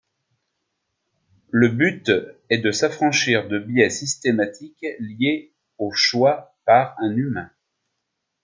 Le but est de s'affranchir de biais systématiques liés au choix par un humain.